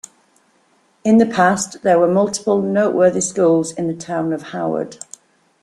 In the past there were multiple noteworthy schools in the town of Howard.